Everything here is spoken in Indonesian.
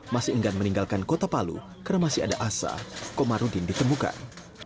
masih enggan meninggalkan kota palu karena masih ada asa komarudin ditemukan